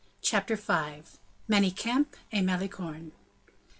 Chapter V: Manicamp and Malicorne.